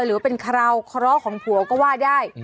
หรือเป็นคราวของผัวก็ว่าได้